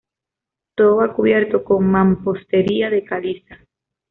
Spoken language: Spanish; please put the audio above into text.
Todo va cubierto con mampostería de caliza.